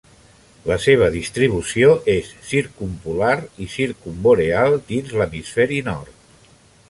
La seva distribució és circumpolar i circumboreal dins l'Hemisferi Nord.